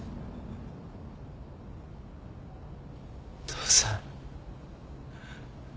父さん。